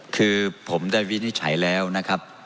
คือผมได้วินิจฉัยแล้วนะครับ